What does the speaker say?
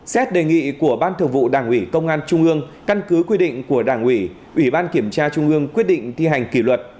xét đề nghị của ban thường vụ đảng ủy công an trung ương căn cứ quy định của đảng ủy ủy ban kiểm tra trung ương quyết định thi hành kỷ luật